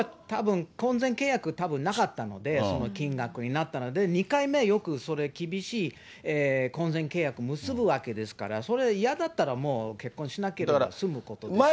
婚前契約たぶんなかったので、その金額になったので、２回目よくそれ、厳しい婚前契約結ぶわけですから、それ嫌だったら、もう結婚しなければ済むことですから。